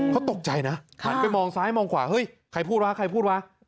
เขาตกใจนะหันไปมองซ้ายมองขวาเฮ้ยใครพูดวะใครพูดวะ